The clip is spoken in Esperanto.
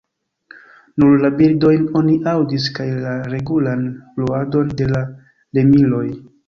Nur la birdojn oni aŭdis kaj la regulan bruadon de la remiloj.